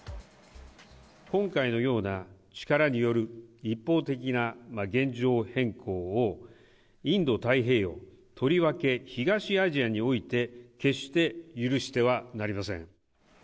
今回のような、力による一方的な現状変更をインド太平洋、とりわけ東アジアにおいて、決して許してはなりません。